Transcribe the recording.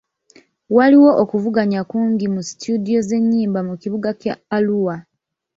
Waliwo okuvuganya kungi mu situdiyo z'ennyimba mu kibuga kya Arua.